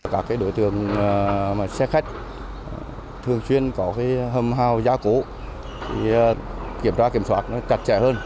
các đối tượng xe khách thường chuyên có hầm hào giá cũ kiểm tra kiểm soát cặt trẻ hơn